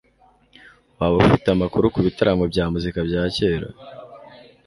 Waba ufite amakuru kubitaramo bya muzika bya kera